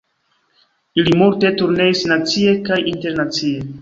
Ili multe turneis, nacie kaj internacie.